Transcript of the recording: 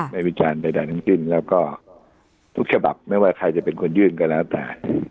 วิจารณ์ใดทั้งสิ้นแล้วก็ทุกฉบับไม่ว่าใครจะเป็นคนยื่นก็แล้วแต่